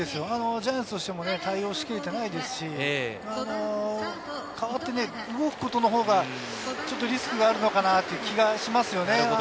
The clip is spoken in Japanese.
ジャイアンツとしても対応しきれていないですし、代わって動くことのほうがリスクがあるのかなという気がしますよね。